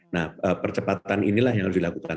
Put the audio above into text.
nah percepatan inilah yang harus dilakukan